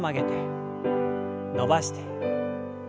伸ばして。